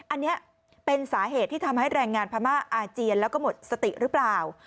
อันนี้เป็นสาเหตุที่ทำให้แรงงานพม่าอาเจียนแล้วก็หมดสติหรือเปล่า